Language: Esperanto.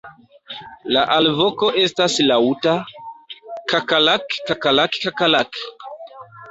La alvoko estas laŭta "kakalak-kakalak-kakalak".